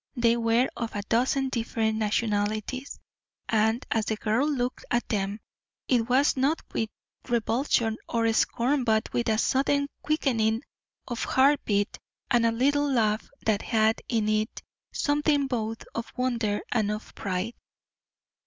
They were of a dozen different nationalities, and as the girl looked at them it was not with revulsion or scorn but with a sudden quickening of heartbeat and a little laugh that had in it something both of wonder and of pride.